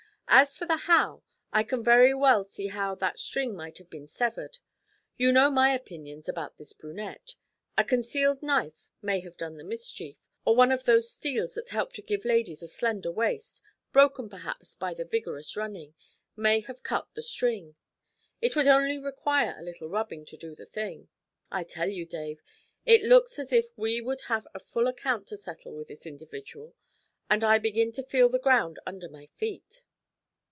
'As for the how, I can very well see how that string might have been severed. You know my opinions about this brunette. A concealed knife may have done the mischief, or one of those steels that help to give ladies a slender waist, broken perhaps by the vigorous running, may have cut the string; it would only require a little rubbing to do the thing. I tell you, Dave, it looks as if we would have a full account to settle with this individual, and I begin to feel the ground under my feet.